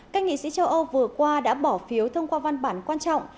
các nghị sĩ châu âu vừa qua đã bỏ phiếu thông qua văn bản quan trọng